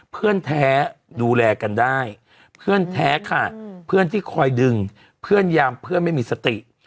เพื่อนแท้ดูแลกันได้เพื่อนแท้ค่ะเพื่อนที่คอยดึงเพื่อนยามเพื่อนไม่มีสติ